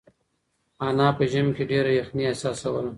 انا په ژمي کې ډېره یخنۍ احساسوله.